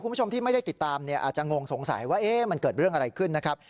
คุณผู้ชมที่ไม่ได้ติดตามเนี่ยอาจจะงงสงสัยว่ามันเกิดเรื่องอะไรขึ้นนะครับ